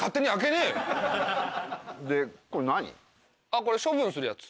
あっこれ処分するやつ。